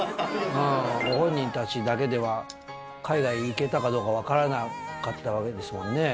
ご本人たちだけでは、海外行けたかどうか分からなかったわけですもんね。